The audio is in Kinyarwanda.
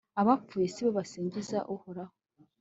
abapfuye si bo basingiza uhoraho